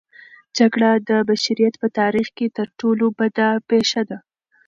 جګړه د بشریت په تاریخ کې تر ټولو بده پېښه ده.